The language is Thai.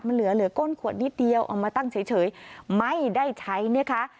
มันเหลือเหลือก้นขวดนิดเดียวเอามาตั้งเฉยไม่ได้ใช้นะคะ